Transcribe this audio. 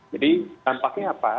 jadi dampaknya apa